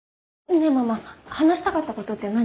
ねえママ話したかった事って何？